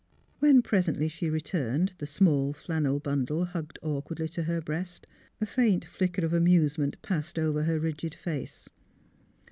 When, presently, she returned, the small flannel bundle hugged awkwardly to her breast, a faint flicker of amusement passed over her rigid face.